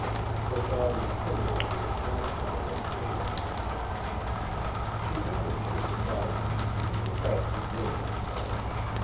Her body tingled with unaccountable pains. She managed to survive the evening without revealing herself.